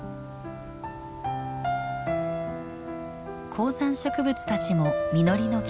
高山植物たちも実りの季節。